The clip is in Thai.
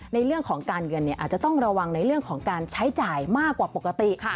ในเรื่องของการเงินอาจจะต้องระวังในเรื่องของการใช้จ่ายมากกว่าปกติ